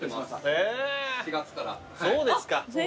そうですか。